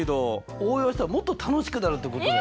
応用したらもっと楽しくなるってことだよ。